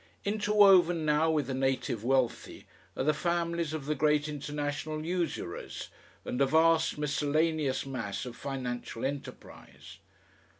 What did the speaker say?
Interwoven now with the native wealthy are the families of the great international usurers, and a vast miscellaneous mass of financial enterprise.